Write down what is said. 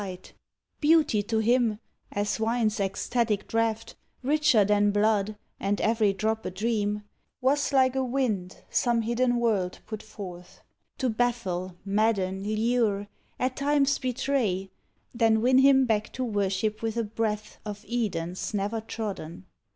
81 A CHARACTER Beauty to him (as wine's ecstatic draught, Richer than blood, and every drop a dream) Was like a wind some hidden world put forth To baffle, madden, lure — at times, betray, Then win him back to worship with a breath Of Edens never trodden.